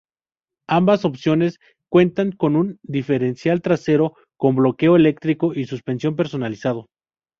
Ambas opciones cuentan con un diferencial trasero con bloqueo electrónico y suspensión personalizado.